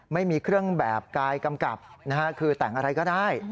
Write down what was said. ไม่มีเครื่องแบบกายกำกับคือแต่งอะไรก็ได้